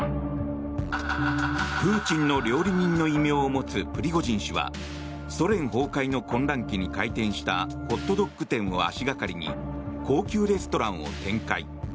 プーチンの料理人の異名を持つプリゴジン氏はソ連崩壊の混乱期に開店したホットドッグ店を足掛かりに高級レストランを展開。